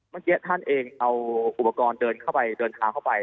เมื่อกี้ท่านเองเอาอุปกรณ์เดินเข้าไปเดินทางเข้าไป